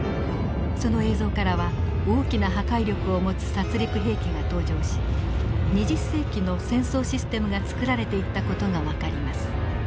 その映像からは大きな破壊力を持つ殺戮兵器が登場し２０世紀の戦争システムが作られていった事が分かります。